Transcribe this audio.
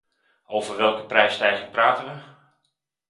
Over welke prijsstijging praten we?